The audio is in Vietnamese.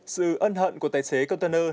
sự ân hận của tài xế container